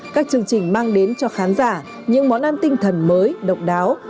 các chương trình mang đến cho khán giả những món ăn tinh thần mới độc đáo